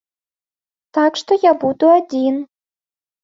Так што я буду адзін.